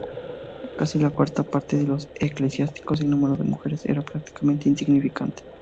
Casi la cuarta parte son eclesiásticos, y el número de mujeres era prácticamente insignificante.